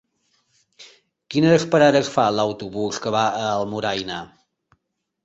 Quines parades fa l'autobús que va a Almudaina?